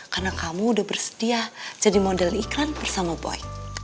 karena kamu udah bersedia jadi model iklan bersama boy